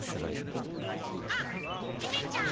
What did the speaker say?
あっゆめちゃん！